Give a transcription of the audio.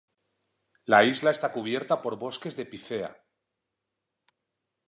La isla está cubierta por bosques de picea.